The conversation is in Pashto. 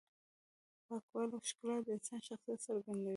پاکوالی او ښکلا د انسان شخصیت څرګندوي.